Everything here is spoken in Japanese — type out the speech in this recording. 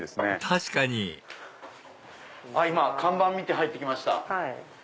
確かに今看板見て入って来ました。